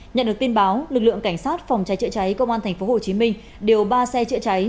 nhận được tin báo lực lượng cảnh sát phòng trái trợ cháy công an tp hcm đều ba xe trợ cháy